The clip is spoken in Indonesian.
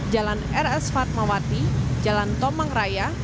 jalan rs fatmawati jalan tomang raya